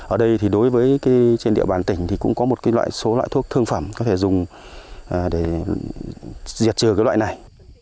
ở đây thì đối với trên địa bàn tỉnh thì cũng có một số loại thuốc thương phẩm có thể dùng để diệt trừ cái loại này